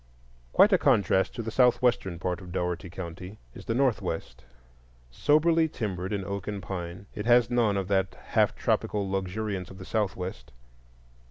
Quite a contrast to the southwestern part of Dougherty County is the northwest. Soberly timbered in oak and pine, it has none of that half tropical luxuriance of the southwest.